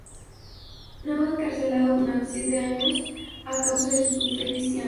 Estuvo encarcelado durante siete años a causa de su fe cristiana.